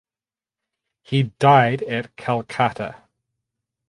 He died at Calcutta.